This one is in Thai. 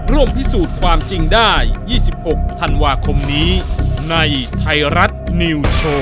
ร่วมพิสูจน์ความจริงได้๒๖ธันวาคมนี้ในไทยรัฐนิวโชว์